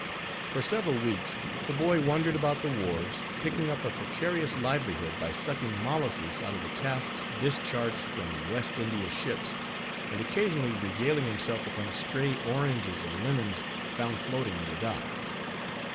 For several weeks the boy wandered about the wharves, picking up a precarious livelihood by sucking molasses out of the casks discharged from West India ships, and occasionally regaling himself upon stray oranges and lemons found floating in the docks.